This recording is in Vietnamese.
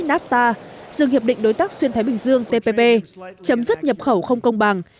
nafta dừng hiệp định đối tác xuyên thái bình dương tpp chấm dứt nhập khẩu không công bằng